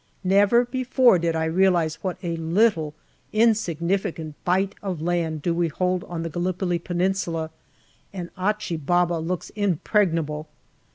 Never before did I realize what a little insignificant bight of land do we hold on the Gallipoli Peninsula, and Achi Baba looks impregnable.